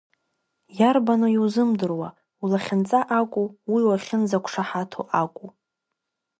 Иарбану иузымдыруа, улахьынҵа акәу, уи уахьынӡақәшаҳаҭу акәу?